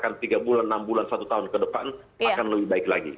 akan tiga bulan enam bulan satu tahun ke depan akan lebih baik lagi